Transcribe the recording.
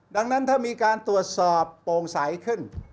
ดังนั้นถ้ามีการตรวจสอบโปร่งใสขึ้น